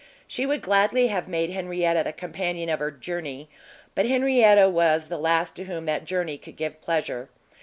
She would gladly have made Henrietta the companion of her journey, but Henrietta was the last to whom that journey could give pleasure.